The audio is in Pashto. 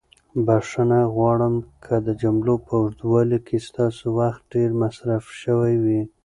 بښنه غواړم که د جملو په اوږدوالي کې ستاسو وخت ډېر مصرف شوی وي.